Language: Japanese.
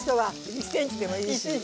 １ｃｍでもいいね。